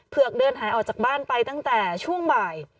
เดินหายออกจากบ้านไปตั้งแต่ช่วงบ่าย